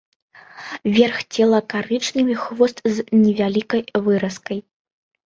Верх цела карычневы, хвост з невялікай выразкай.